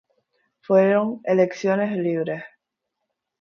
Fueron elecciones libres.